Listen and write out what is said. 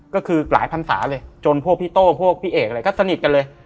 ก็คือหลายพันศาเลยจนพวกพี่โต้พวกพี่เอกอะไรก็สนิทกันเลย